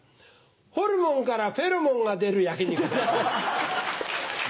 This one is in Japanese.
ホルモンからフェロモンが出る焼き肉屋さん。